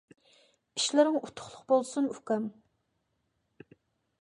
ئىشلىرىڭ ئۇتۇقلۇق بولسۇن ئۇكام.